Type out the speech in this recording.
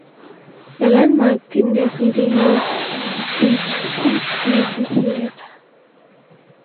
A landmark in the city is its movie theater.